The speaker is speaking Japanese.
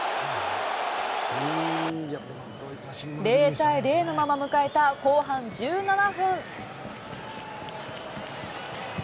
０対０のまま迎えた後半１７分。